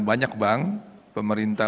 banyak bank pemerintah